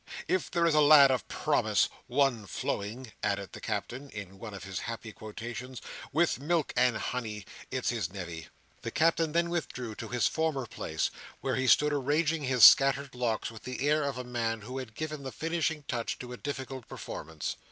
If there is a lad of promise—one flowing," added the Captain, in one of his happy quotations, "with milk and honey—it's his nevy!" The Captain then withdrew to his former place, where he stood arranging his scattered locks with the air of a man who had given the finishing touch to a difficult performance.